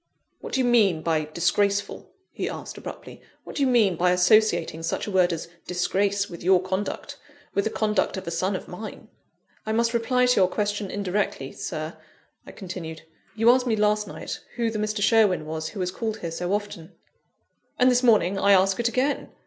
"What do you mean by 'disgraceful?'" he asked abruptly; "what do you mean by associating such a word as disgrace with your conduct with the conduct of a son of mine?" "I must reply to your question indirectly, Sir," I continued. "You asked me last night who the Mr. Sherwin was who has called here so often " "And this morning I ask it again.